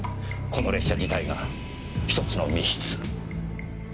この列車自体が１つの密室。